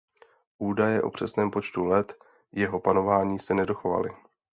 Údaje o přesném počtu let jeho panování se nedochovaly.